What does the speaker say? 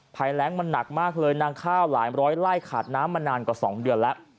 ภัยแรงมันหนักมากเลยนางข้าวหลายร้อยไล่ขาดน้ำมานานกว่า๒เดือนแล้ว